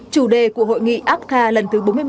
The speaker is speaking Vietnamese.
chủ đề của hội nghị apca lần thứ bốn mươi một